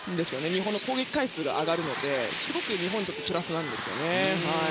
日本の攻撃回数が上がるのですごくプラスなんですよね。